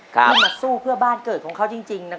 ข้าเมนูมาสู้เพื่อบ้านเกิดของเขาจริงของเนี่ย